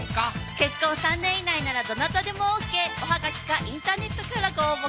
結婚３年以内ならどなたでもＯＫおはがきかインターネットからご応募ください